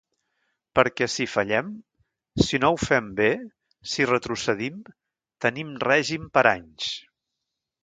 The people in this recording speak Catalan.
Perquè si fallem, si no ho fem bé, si retrocedim, tenim règim per anys.